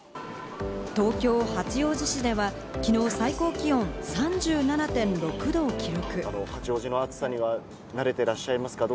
東京・八王子市ではきのう最高気温３７．６度を記録。